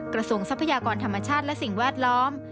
ทรัพยากรธรรมชาติและสิ่งแวดล้อม